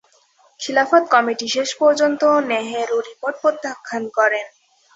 খিলাফত কমিটি শেষ পর্যন্ত নেহেরু রিপোর্ট প্রত্যাখ্যান করে।